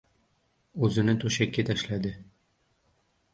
O‘zini to‘shakka tashladi.